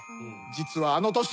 実はあの年。